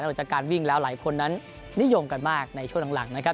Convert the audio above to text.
หลังจากการวิ่งแล้วหลายคนนั้นนิยมกันมากในช่วงหลังนะครับ